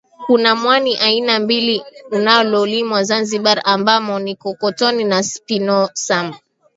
Kuna mwani aina mbili unaolimwa Zanzibar ambao ni Kotonii na spinosam